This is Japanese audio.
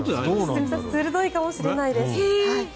鋭いかもしれないです。